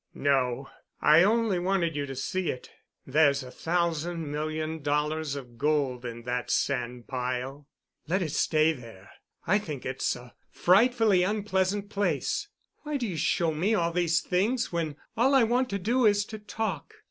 "No—I only wanted you to see it. There's a thousand million dollars of gold in that sandpile." "Let it stay there. I think it's a frightfully unpleasant place. Why do you show me all these things when all I want to do is to talk?"